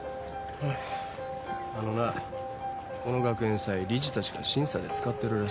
あのなこの学園祭理事たちが審査で使ってるらしい。